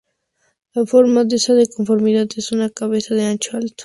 La forma de esta deformidad es una cabeza de ancho y alto.